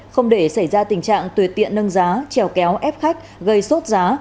không để xảy ra tình trạng tuyệt tiện nâng giá chèo kéo ép khách gây sốt giá